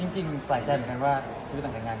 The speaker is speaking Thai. จริงแปลกใจเหมือนกันว่าชีวิตต่างแต่งงาน